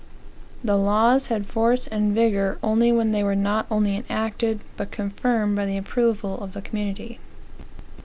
(The laws had force and vigor only when they were not only enacted, but confirmed by the approval of the community.)